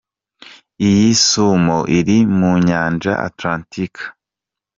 Iyi sumo iri mu Nyanja Atlantic.